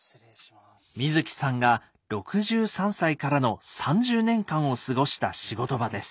水木さんが６３歳からの３０年間を過ごした仕事場です。